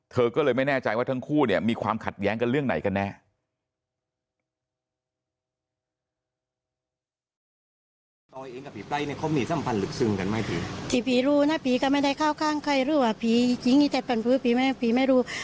เธอก็เลยไม่แน่ใจว่าทั้งคู่เนี่ยมีความขัดแย้งกันเรื่องไหนกันแน่